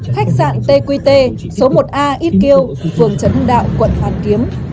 khách sạn tqt số một a xq vườn trấn đạo quận phàn kiếm